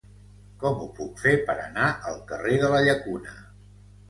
Com ho puc fer per anar al carrer de la Llacuna?